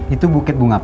itu bukit bunga pak